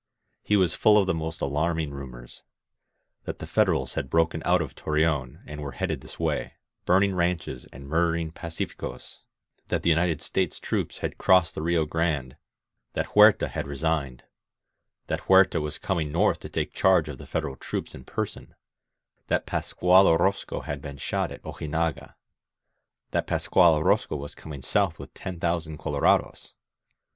He was full of the most alarming nmiors : that the Federals had broken out of Torreon and were headed this way, burning ranches and murdering pcuA ficos; that the United States troops had crossed the Rio Grande; that Huerta had resigned; that Huerta was coming north to take charge of the Federal troops in person; that Pascual Orozco had been shot at Oji naga; that Pascual Orozco was coming south with ten thousand colorados.